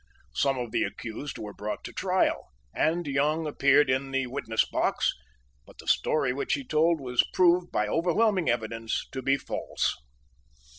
Some of the accused were brought to trial; and Young appeared in the witness box; but the story which he told was proved by overwhelming evidence to be false.